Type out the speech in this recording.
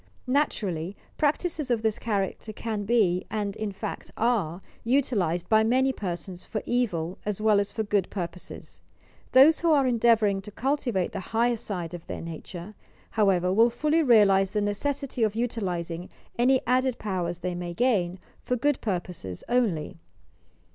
Naturally, practices of this character can be, and, in fact, are utilized by many persons for evil as well at for good purposes. Those who are endeavouring to cul tivate the higher aide of their nature, however, will fully realize the necessity of utilizing any added powers they may gain for good purposes only.